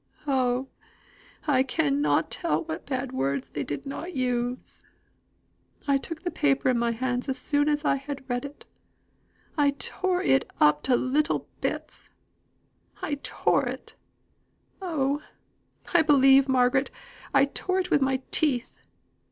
Oh! I cannot tell what bad words they did not use. I took the paper in my hands as soon as I had read it I tore it up to little bits I tore it oh! I believe, Margaret, I tore it with my teeth.